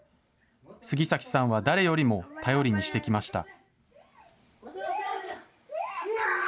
杉崎さんは誰よりも頼りにしてきました。